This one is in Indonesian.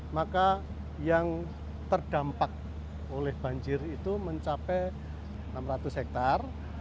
maka yang terdampak oleh banjir itu mencapai enam ratus hektare